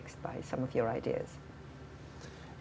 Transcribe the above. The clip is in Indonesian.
oleh beberapa ide anda